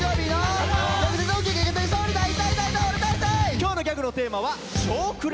今日のギャグのテーマは「少クラ」。